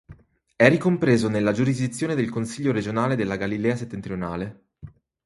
È ricompreso nella giurisdizione del Consiglio regionale della Galilea settentrionale.